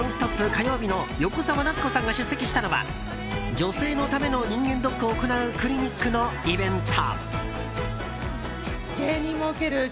火曜日の横澤夏子さんが出席したのは女性のための人間ドックを行うクリニックのイベント。